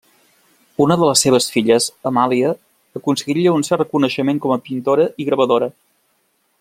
Una de les seves filles, Amàlia, aconseguiria un cert reconeixement com a pintora i gravadora.